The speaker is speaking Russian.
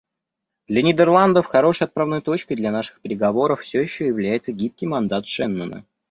Для Нидерландов хорошей отправной точкой для наших переговоров все еще является гибкий мандат Шеннона.